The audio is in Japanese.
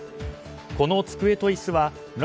この机と椅子は村